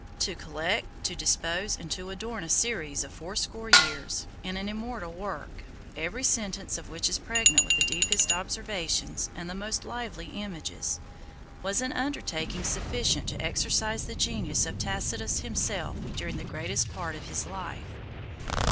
To collect, to dispose, and to adorn a series of fourscore years, in an immortal work, every sentence of which is pregnant with the deepest observations and the most lively images, was an undertaking sufficient to exercise the genius of Tacitus himself during the greatest part of his life.